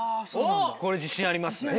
これ自信ありますね。